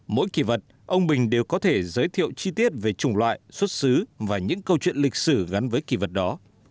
mỗi kỳ vật ông bình đều có thể giới thiệu chi tiết về chủng loại xuất xứ và những câu chuyện lịch sử gắn với kỳ vật đó